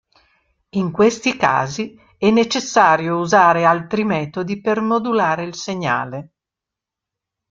In questi casi è necessario usare altri metodi per modulare il segnale.